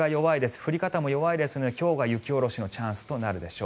降り方も弱いので今日が雪下ろしのチャンスとなるでしょう。